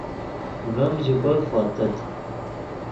ڤیم ژے کوئے خوتیت